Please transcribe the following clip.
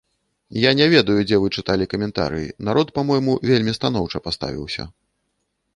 Я не ведаю, дзе вы чыталі каментарыі, народ па-мойму вельмі станоўча паставіўся.